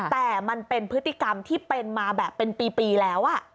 แต่มันเป็นพฤติกรรมที่เป็นมาแบบเป็นปีแล้ว